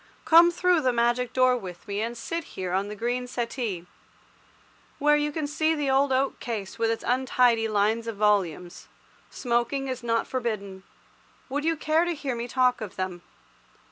Come through the magic door with me, and sit here on the green settee, where you can see the old oak case with its untidy lines of volumes. Smoking is not forbidden. Would you care to hear me talk of them?